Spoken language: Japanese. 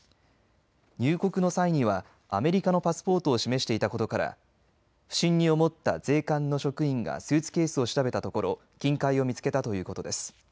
入国の際にはアメリカのパスポートを示していたことから不審に思った税関の職員がスーツケースを調べたところ金塊を見つけたということです。